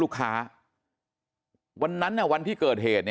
มันต้องการมาหาเรื่องมันจะมาแทงนะ